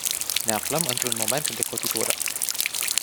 Ne aflăm într-un moment de cotitură.